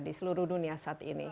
di seluruh dunia saat ini